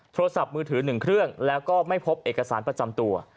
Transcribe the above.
โทรศัพท์มือถือ๑เครื่องแล้วก็ไม่พบเอกสารประจำตัว